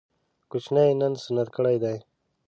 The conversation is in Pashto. کوچنی يې نن سنت کړی دی